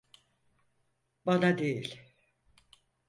Bana değil.